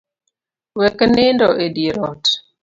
Wek nindo edier ot